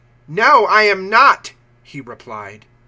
"No, I am not," he replied.